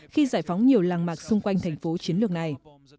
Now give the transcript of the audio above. khi giải phóng nhiều làng mạc xung quanh thành phố chiến lược này